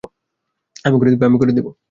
আমি করে দিব।